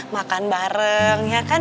makan bareng ya kan